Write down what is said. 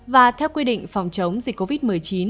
và theo quy định phòng chống dịch covid một mươi chín